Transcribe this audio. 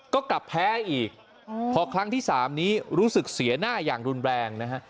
ก็กลับแพ้อีกพอครั้งที่๓นี้รู้สึกเสียหน้าอย่างรุนแรงนะฮะ